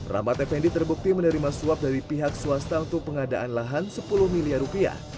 rahmat effendi terbukti menerima suap dari pihak swasta untuk pengadaan lahan sepuluh miliar rupiah